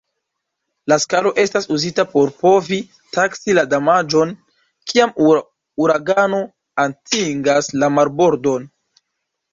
La skalo estas uzita por povi taksi la damaĝon kiam uragano atingas la marbordon.